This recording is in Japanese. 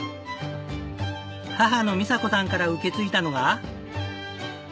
母のみさ子さんから受け継いだのが。